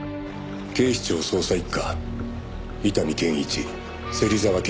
「警視庁捜査一課伊丹憲一芹沢